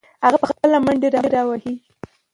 هغه به خپله منډې راوهي.